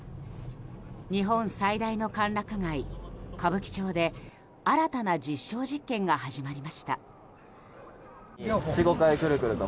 日本最大の歓楽街歌舞伎町で新たな実証実験が始まりました。